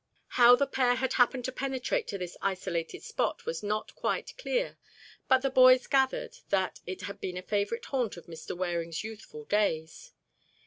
How the pair had happened to penetrate to this isolated spot was not quite clear, but the boys gathered that it had been a favorite haunt of Mr. Waring's youthful days.